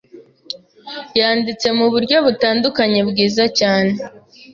yanditse muburyo butandukanye bwiza cyane